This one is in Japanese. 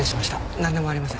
なんでもありません。